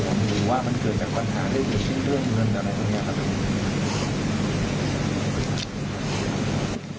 หรือว่ามันเกิดจากปัญหาใดเกิดขึ้นเรื่องเงินอะไรตรงนี้ครับ